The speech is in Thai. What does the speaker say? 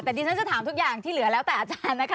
แต่ดิฉันจะถามทุกอย่างที่เหลือแล้วแต่อาจารย์นะคะ